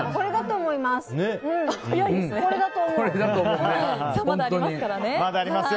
まだありますからね。